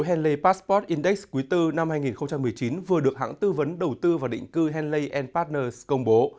henley passport index quý bốn năm hai nghìn một mươi chín vừa được hãng tư vấn đầu tư và định cư henley partners công bố